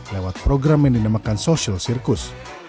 lewat program yang dinamakan social circus